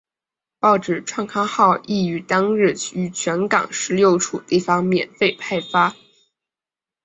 报纸创刊号亦于当日于全港十六处地方免费派发。